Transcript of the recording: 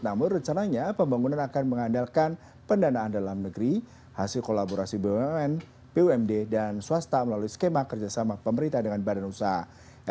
namun rencananya pembangunan akan mengandalkan pendanaan dalam negeri hasil kolaborasi bumn bumd dan swasta melalui skema kerjasama pemerintah dengan badan usaha